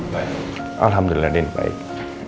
baik alhamdulillah den baik